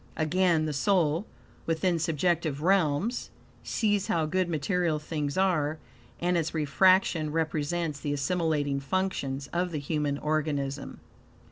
Again, the soul, within subjective realms, sees how good material things are, and its refraction represents the assimilating functions of the human organism.